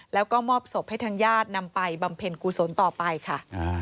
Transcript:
แล้วก็มอบศพให้ทางญาตินำไปบำเพ็ญกุศลต่อไปค่ะ